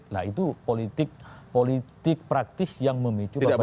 nah itu politik praktis yang memicu konflik